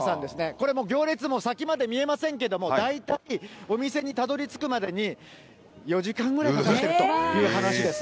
これもう行列、もう先まで見えませんけど、大体、お店にたどりつくまでに４時間ぐらいかかってるという話です。